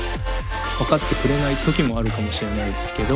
分かってくれない時もあるかもしれないですけど。